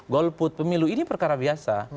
golput pemilu ini perkara biasa